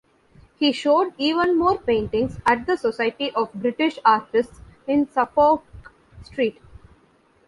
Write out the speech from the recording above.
He showed even more paintings at the Society of British Artists in Suffolk Street.